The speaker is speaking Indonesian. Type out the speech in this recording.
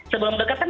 sebelum dekat kan